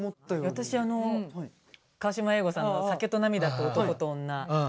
私あの河島英五さんの「酒と泪と男と女」